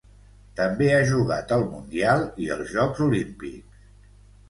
També ha jugat el Mundial i els Jocs Olímpics.